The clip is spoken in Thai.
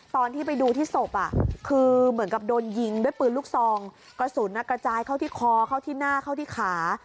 ตอนที่ไปดูที่ศพคือเหมือนกับโดนยิงด้วยปืนลูกซองกระสุนกระจายเข้าที่คอเข้าที่หน้าเข้าที่ขา